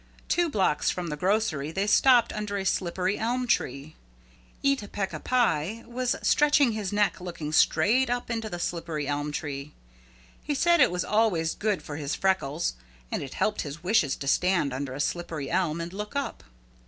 Two blocks from the grocery they stopped under a slippery elm tree. Eeta Peeca Pie was stretching his neck looking straight up into the slippery elm tree. He said it was always good for his freckles and it helped his wishes to stand under a slippery elm and look up.